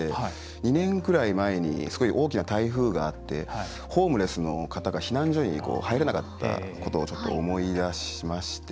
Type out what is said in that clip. ２年くらい前にすごい大きな台風があってホームレスの方が避難所に入れなかったことをちょっと思い出しまして。